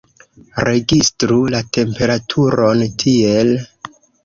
Registru la temperaturon tiel.